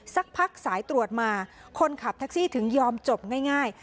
สักพักสายตรวจมาคนขับแท็กซี่ถึงยอมจบง่าย